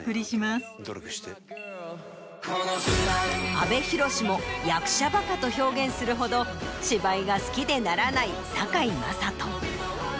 阿部寛も役者バカと表現するほど芝居が好きでならない堺雅人。